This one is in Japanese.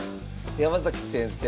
山崎先生。